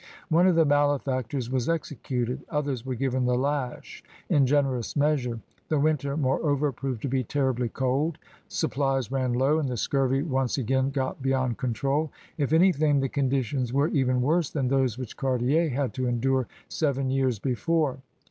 One of the malefactors was executed; others were given the lash in generous measure. The winter, moreover, proved to be terribly cold; sup plies ran low, and the scurvy once again got beyond control. If anything, the conditions were even worse than those which Cartier had to endure seven years before.